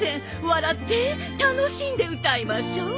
笑って楽しんで歌いましょう。